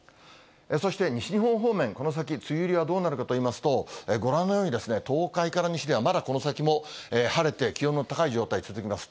そして西日本方面、この先、梅雨入りがどうなるかといいますと、ご覧のように、東海から西ではまだこの先も晴れて気温の高い状態、続きます。